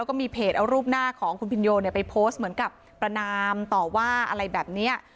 แล้วก็มีเพจเอารูปหน้าของคุณพินโยไปโพสต์เหมือนกับประนามต่อว่าอะไรแบบนี้